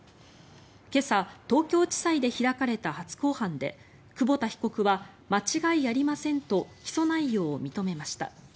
今朝、東京地裁で開かれた初公判で久保田被告は間違いありませんと起訴内容を認めました。